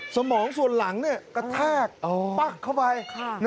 สมองส่วนหลังกระแทกปั๊กเข้าไป